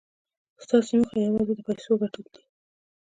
ستاسې موخه یوازې د پیسو ګټل دي